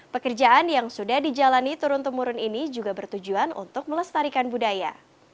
pekerjaan yang sudah dijalani turun temurun ini juga bertujuan untuk melestarikan budaya